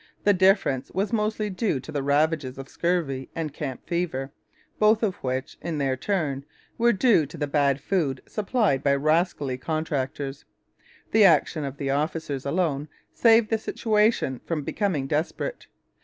The difference was mostly due to the ravages of scurvy and camp fever, both of which, in their turn, were due to the bad food supplied by rascally contractors. The action of the officers alone saved the situation from becoming desperate.